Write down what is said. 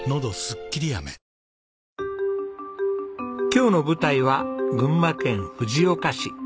今日の舞台は群馬県藤岡市。